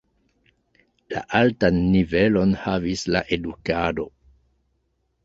La altan nivelon havis la edukado.